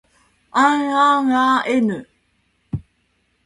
あんあんあ ｎ